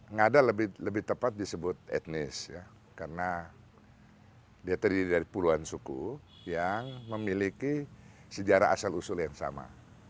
ngada lebih tepat disebut etnis karena dia terdiri dari puluhan suku yang memiliki sejarah asal usul yang sama